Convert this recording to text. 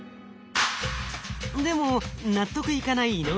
でも納得いかない井上さん。